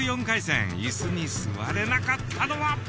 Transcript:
４回戦イスに座れなかったのは。